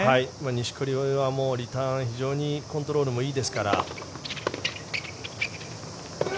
錦織はリターン非常にコントロールもいいですから。